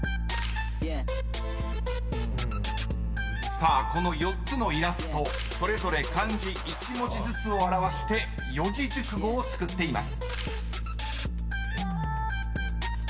［さあこの４つのイラストそれぞれ漢字１文字ずつを表して四字熟語を作っています］